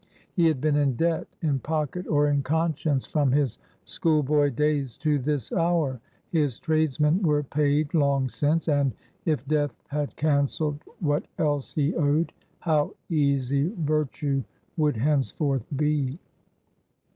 He had been in debt, in pocket or in conscience, from his schoolboy days to this hour. His tradesmen were paid long since, and, if death had cancelled what else he owed, how easy virtue would henceforth be!